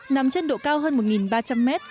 nằm trên độ cao hơn một ba trăm linh m